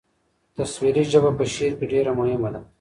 تصویري ژبه په شعر کې ډېره مهمه ده.